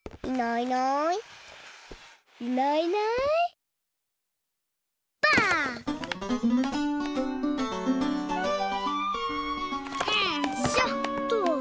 よいしょっと。